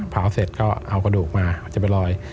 เผาเสร็จก็เอากระดูกมาจะไปลอย